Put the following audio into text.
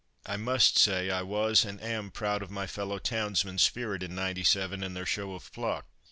I must say I was and am proud of my fellow townsmen's spirit in '97, and their show of pluck.